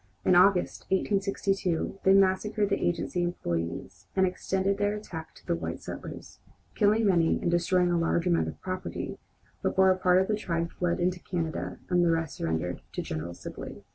In August, 1862, they massacred the agency employees and extended their attack to the white settlers, killing many and destroying a large amount of property, before a part of the tribe fled into Canada and the rest surrendered to General Sibley.